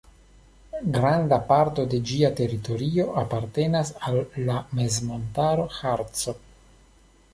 Granda parto de ĝia teritorio apartenas al la mezmontaro Harco.